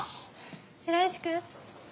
白石君。